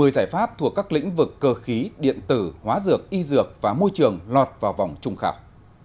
một mươi giải pháp thuộc các lĩnh vực cơ khí điện tử hóa dược y dược và môi trường lọt vào vòng trung khảo